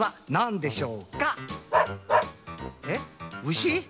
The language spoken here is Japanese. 牛？